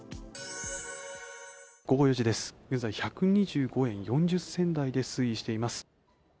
午後４時です、現在１２５円４０銭台で推移しています。